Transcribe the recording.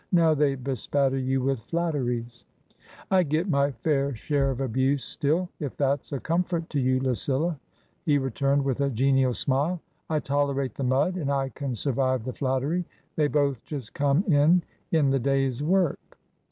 Now they bespatter you with flat teries !"" I get my fair share of abuse still, if thafs a comfort to you, Lucilla !" he returned, with a genial smile ;" I tolerate the mud and I can survive the flattery. They both just come in in the day's work."